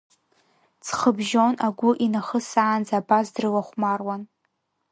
Ҵхыбжьон агәы инахысаанӡа абас дрылахәмаруан.